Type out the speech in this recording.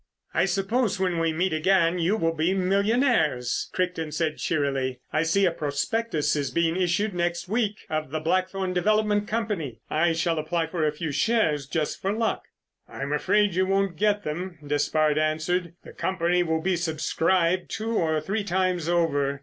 "I suppose when we meet again you will be millionaires," Crichton said cheerily. "I see a prospectus is being issued next week of The Blackthorn Development Company. I shall apply for a few shares—just for luck." "I'm afraid you won't get them," Despard answered. "The Company will be subscribed two or three times over.